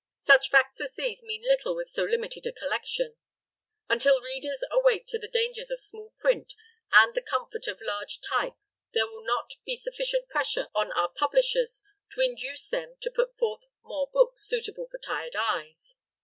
Such facts as these mean little with so limited a collection. Until readers awake to the dangers of small print and the comfort of large type there will not be sufficient pressure on our publishers to induce them to put forth more books suitable for tired eyes.